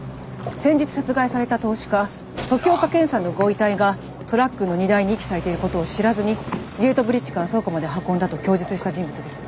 先日殺害された投資家時岡賢さんのご遺体がトラックの荷台に遺棄されている事を知らずにゲートブリッジから倉庫まで運んだと供述した人物です。